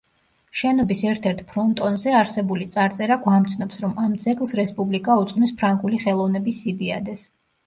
შენობის ერთ-ერთ ფრონტონზე არსებული წარწერა გვამცნობს, რომ ამ ძეგლს რესპუბლიკა უძღვნის ფრანგული ხელოვნების სიდიადეს.